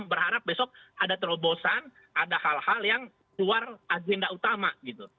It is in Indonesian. berharap besok ada terobosan ada hal hal yang luar agenda utama gitu